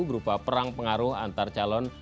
berupa perang pengaruh antar calon